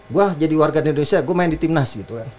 saya jadi warga negara indonesia saya main di tim nasional